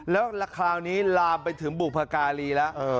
แล้วคราวนี้ลามไปถึงบุพการีแล้ว